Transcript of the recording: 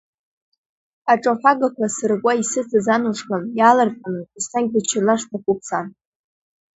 Аҿаҳәагақәа сыркуа исыцыз Анушка, иаалырҟьаны, Еснагь быччалар сҭахуп, сан.